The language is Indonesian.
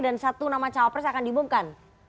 dan satu nama cawapres akan diumumkan